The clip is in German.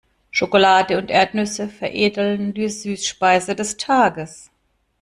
Schokolade und Erdnüsse veredeln die Süßspeise des Tages.